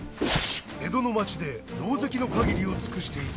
江戸の街でろうぜきの限りを尽くしていた。